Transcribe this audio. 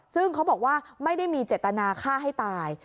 ซึ่งเขาบอกว่าไม่ได้มีเจตนาฆ่าให้ตาย